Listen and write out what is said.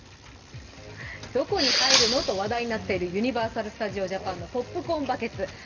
どこに入るのと話題になっているユニバーサル・スタジオ・ジャパンのポップコーンバケツ。